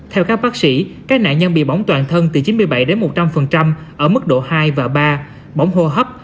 theo các bác sĩ các nạn nhân bị bỏng toàn thân từ chín mươi bảy đến một trăm linh ở mức độ hai và ba bỏng hô hấp